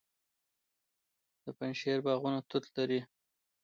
د پنجشیر باغونه توت لري.